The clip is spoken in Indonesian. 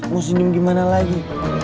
mau senyum gimana lagi